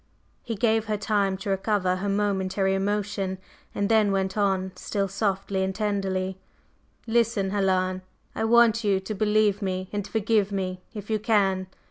He gave her time to recover her momentary emotion and then went on, still softly and tenderly: "Listen, Helen. I want you to believe me and forgive me, if you can.